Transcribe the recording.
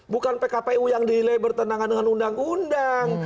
bukan pkpu yang dilei bertenangkan dengan undang undang